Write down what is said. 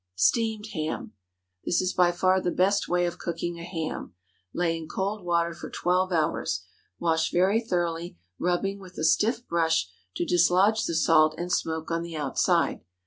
STEAMED HAM. This is by far the best way of cooking a ham. Lay in cold water for twelve hours; wash very thoroughly, rubbing with a stiff brush, to dislodge the salt and smoke on the outside.